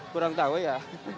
kurang tahu ya